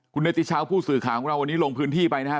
คุณเนติชาวผู้สื่อข่าวของเราวันนี้ลงพื้นที่ไปนะครับ